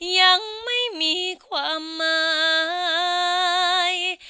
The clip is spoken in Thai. ยังไม่มีความหมาย